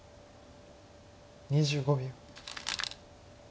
２５秒。